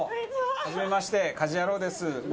はじめまして『家事ヤロウ！！！』です。